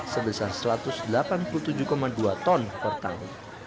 sebesar satu ratus delapan puluh tujuh dua ton per tahun